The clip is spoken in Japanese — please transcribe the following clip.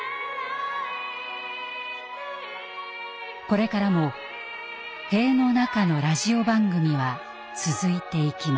これからも塀の中のラジオ番組は続いていきます。